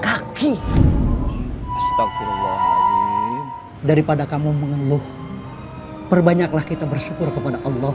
kaki ustadzullah daripada kamu mengeluh perbanyaklah kita bersyukur kepada allah